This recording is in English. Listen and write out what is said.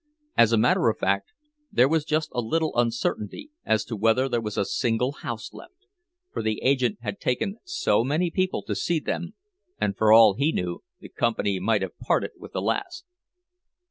As a matter of fact there was just a little uncertainty as to whether there was a single house left; for the agent had taken so many people to see them, and for all he knew the company might have parted with the last.